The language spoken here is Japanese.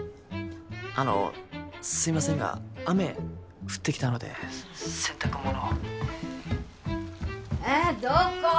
あのすいませんが雨降ってきたので☎洗濯物をえっどこ？